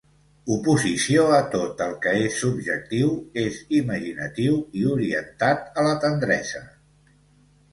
Oposició a tot el que és subjectiu, és imaginatiu i orientat a la tendresa.